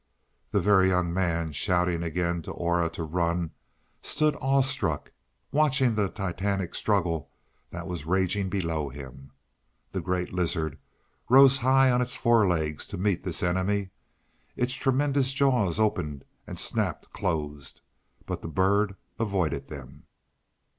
The Very Young Man, shouting again to Aura to run, stood awestruck, watching the titanic struggle that was raging below him. The great lizard rose high on its forelegs to meet this enemy. Its tremendous jaws opened and snapped closed; but the bird avoided them.